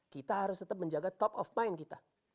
kita harus tetap menjaga top of mind kita